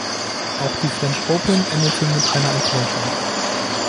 Auch die French Open endeten mit einer Enttäuschung.